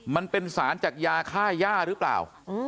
มันเป็นสารจากยาฆ่าย่าหรือเปล่า